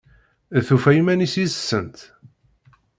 Tufa iman-is yid-sent?